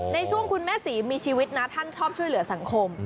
ในช่วงคุณแม่ศรีมีชีวิตนะท่านชอบช่วยเหลือสังคม